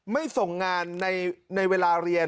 ไม่ส่งงานในเวลาเรียน